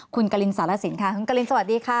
คุณกรินสารสินค่ะคุณกรินสวัสดีค่ะ